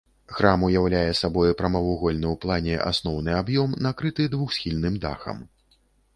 Храм уяўляе сабой прамавугольны ў плане асноўны аб'ём накрыты двухсхільным дахам.